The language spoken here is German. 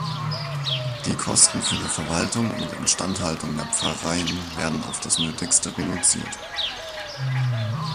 Die Kosten für die Verwaltung und Instandhaltung der Pfarreien werden auf das Nötigste reduziert.